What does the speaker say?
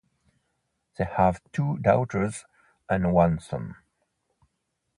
They have two daughters and one son.